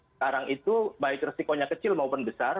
sekarang itu baik resikonya kecil maupun besar